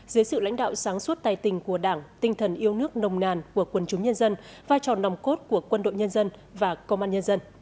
dưới sự lãnh đạo sáng suốt tài tình của đảng tinh thần yêu nước nồng nàn của quân chúng nhân dân vai trò nồng cốt của quân đội nhân dân và công an nhân dân